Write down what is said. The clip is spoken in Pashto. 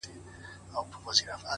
• هر میدان یې په مړانه وي گټلی,